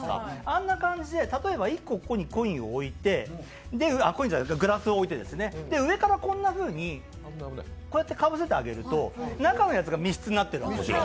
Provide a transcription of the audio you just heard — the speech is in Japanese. あんな感じで、例えばここに１個グラスを置いて、上からこんなふうにこうやってかぶせてあげると中のやつが密室になっているわけですよ。